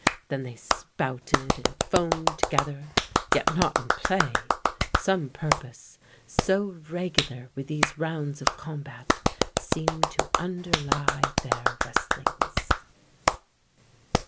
Then they spouted and foamed together, yet not in play: some purpose, so regular were these rounds of combat, seemed to underlie their wrestlings.